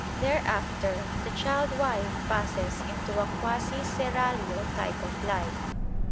Thereafter the child wife passes into a quasi seraglio type of life.